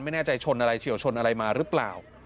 ไม่แน่ใจชนอะไรเฉียวชนอะไรมาหรือเปล่า